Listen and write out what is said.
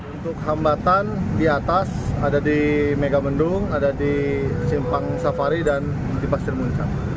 untuk hambatan di atas ada di megamendung ada di simpang safari dan di pasir muncang